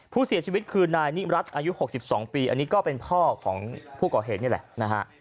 ผู้เสียชีวิตคือนายนิมรัฐอายุ๖๒ปีอันนี้ก็เป็นพ่อของผู้ก่อเหตุนี่แหละนะฮะ